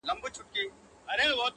آفتونو پكښي كړي ځالګۍ دي-